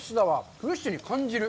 フレッシュに感じる。